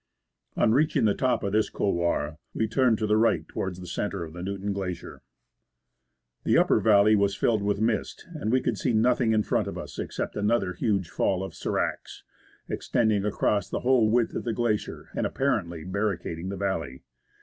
On reaching the top of this couloir we turned to the right towards the centre of the Newton Glacier. The upper valley was filled with mist, and we could see nothing in front of us, excepting another huge fall of sdracs, extend ing across the whole width of the glacier and apparently barricading the valley.